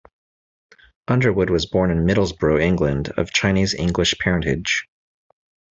Underwood was born in Middlesbrough, England, of Chinese-English parentage.